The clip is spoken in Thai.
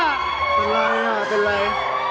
เป็นอะไรอ่ะเป็นอะไร